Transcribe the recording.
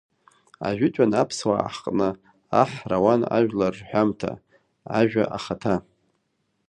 Ажәытәан аԥсуаа ҳҟны аҳра ауан ажәлар рҳәамҭа, ажәа ахаҭа.